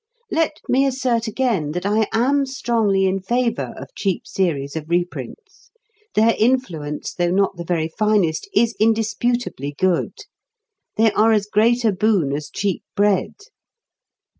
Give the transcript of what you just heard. Let me assert again that I am strongly in favour of cheap series of reprints. Their influence though not the very finest, is undisputably good. They are as great a boon as cheap bread.